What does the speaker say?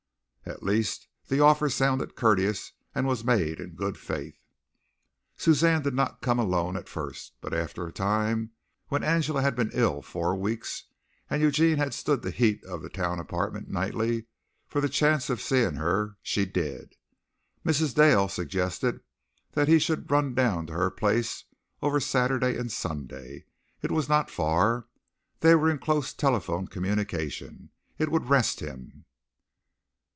At least the offer sounded courteous and was made in good faith. Suzanne did not come alone at first, but after a time, when Angela had been ill four weeks and Eugene had stood the heat of the town apartment nightly for the chance of seeing her, she did. Mrs. Dale suggested that he should run down to her place over Saturday and Sunday. It was not far. They were in close telephone communication. It would rest him.